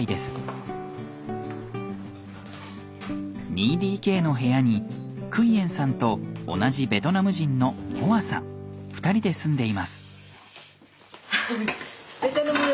２ＤＫの部屋にクイエンさんと同じベトナム人のホアさん２人で住んでいます。